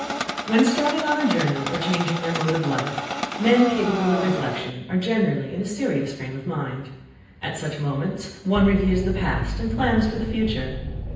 When starting on a journey or changing their mode of life, men capable of reflection are generally in a serious frame of mind. At such moments one reviews the past and plans for the future.